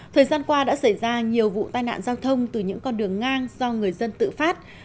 thời gian qua đã xảy ra nhiều vụ tai nạn giao thông từ những con đường ngang do người dân tự phát